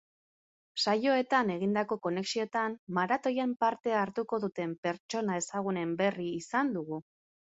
Saioetan egindako konexioetan, maratoian parte hartuko duten pertsona ezagunen berri izan dugu.